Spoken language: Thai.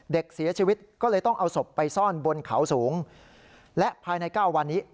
เด็กเสียชีวิตก็เลยต้องเอาศพไปซ่อนบนเขาสูงและภายใน๙วันนี้